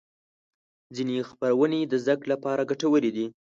ځینې خپرونې د زدهکړې لپاره ګټورې دي.